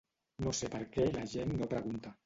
No sé per què la gent no pregunta.